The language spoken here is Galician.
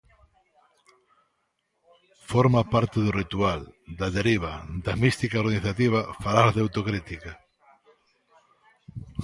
Forma parte do ritual, da deriva, da mística organizativa falar de autocrítica.